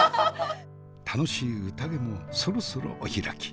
楽しい宴もそろそろお開き。